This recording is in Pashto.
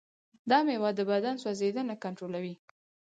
دا مېوه د بدن سوځیدنه کنټرولوي.